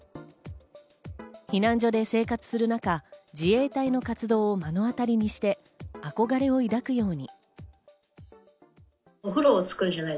避難所で生活する中、自衛隊の活動を目の当たりにして憧れを抱くように。